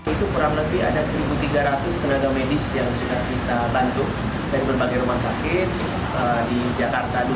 itu kurang lebih ada satu tiga ratus tenaga medis yang sudah kita bantu dari berbagai rumah sakit di jakarta